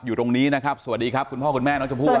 อยู่ตรงนี้นะครับสวัสดีครับคุณพ่อคุณแม่น้องชมพู่